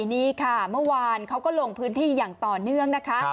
นี่ค่ะเมื่อวานเขาก็ลงพื้นที่อย่างต่อเนื่องนะคะ